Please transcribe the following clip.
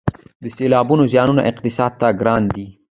د سیلابونو زیانونه اقتصاد ته ګران دي